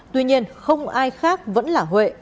tuy nhiên không ai khác vẫn là huệ